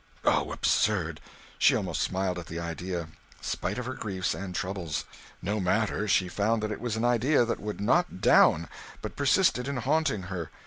Oh, absurd! She almost smiled at the idea, spite of her griefs and troubles. No matter, she found that it was an idea that would not 'down,' but persisted in haunting her.